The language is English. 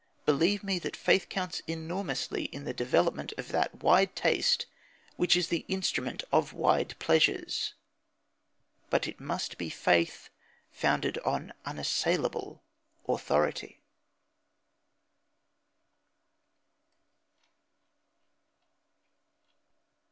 Believe me that faith counts enormously in the development of that wide taste which is the instrument of wide pleasures. But it must be faith founded on unassailable authority.